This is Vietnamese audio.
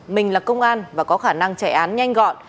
mình là công an và có khả năng chạy án nhanh gọn